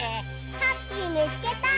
ハッピーみつけた！